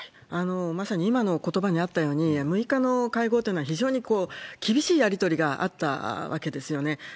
まさに今のことばにあったように、６日の会合っていうのは非常に厳しいやり取りがあったわけですよね。